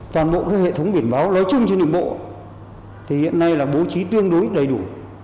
toàn bộ hệ thống biển báo nói chung trên đường bộ thì hiện nay là bố trí tương đối đầy đủ